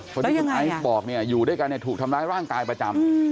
แล้วยังไงอย่างนั้นอยู่ด้วยกันถูกทำร้ายร่างกายประจำ